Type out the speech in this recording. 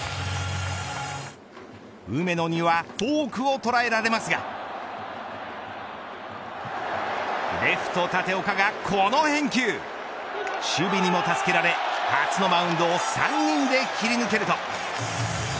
梅野にはフォークを捉えられますがレフト立岡がこの返球守備にも助けられ初のマウンドを３人で切り抜けると。